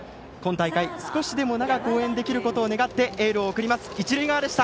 今大会、少しでも長く応援できることを願ってエールを送ります。